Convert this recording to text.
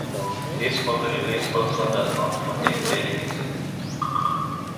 This fourth release also does not contain the remixes.